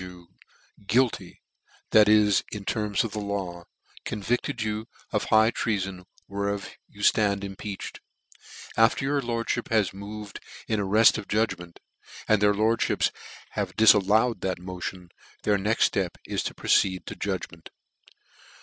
you guilty : that is, in the terms of the law, con vicled you of the high treafori whereof you ftand Impeached ; after your lordlhip has moved in ar r eft of judgment, and their lordfhips have difal lov/ed that motion, their next (lep is to proceed to judgment.